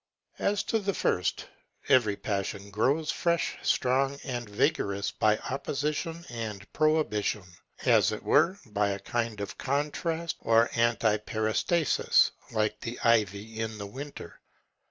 As to the first, every passion grows fresh, strong, and vigorous by opposition and prohibition, as it were by a kind of contrast or antiperistasis, like the ivy in the winter.